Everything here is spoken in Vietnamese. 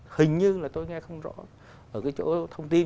hình như là tôi nghe không rõ ở cái chỗ thông tin